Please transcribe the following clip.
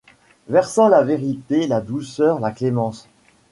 Versant la vérité, la douceur, la clémence